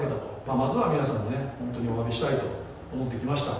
まずは皆さんにね、本当におわびしたいと思って来ました。